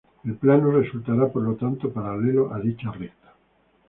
El plano resultará por lo tanto paralelo a dicha recta.